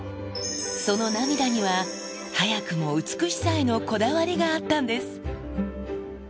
その涙には、早くも美しさへのこだわりがあったんです。